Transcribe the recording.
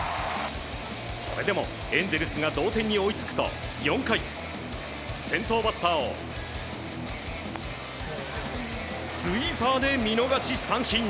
それでもエンゼルスが同点に追いつくと４回、先頭バッターをスイーパーで見逃し三振。